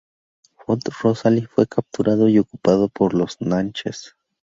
Fort Rosalie fue capturado y ocupado por los natchez.